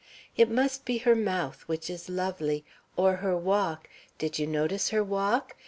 It must be her mouth, which is lovely, or her walk did you notice her walk?